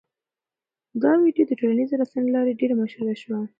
دا ویډیو د ټولنیزو رسنیو له لارې ډېره مشهوره شوه.